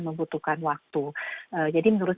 membutuhkan waktu jadi menurut